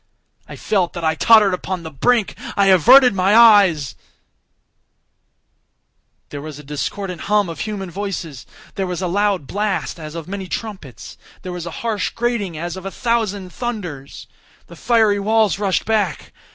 I felt that I tottered upon the brink—I averted my eyes— There was a discordant hum of human voices! There was a loud blast as of many trumpets! There was a harsh grating as of a thousand thunders! The fiery walls rushed back!